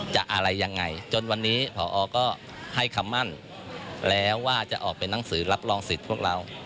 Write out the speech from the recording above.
อะไรยังไงจนวันนี้ผอก็ให้คำมั่นแล้วว่าจะออกเป็นหนังสือรับรองสิทธิ์พวกเรา